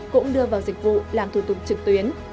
cũng đưa vào dịch vụ làm thủ tục trực tuyến